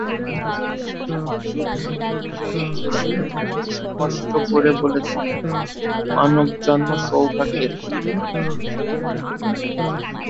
গুরু গোবিন্দ সিংহ স্পষ্ট করে বলেছেন, মানব জন্ম সৌভাগ্যের।